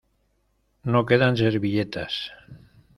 No quedan servilletas.